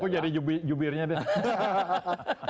aku jadi jubirnya deh